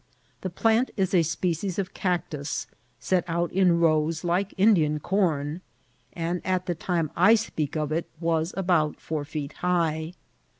The plant is a species of cactus, set out in rows like Indian corn, and, at the time I speak of it, was about four feet high.